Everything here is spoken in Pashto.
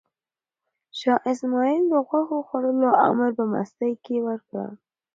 شاه اسماعیل د غوښو خوړلو امر په مستۍ کې ورکړ.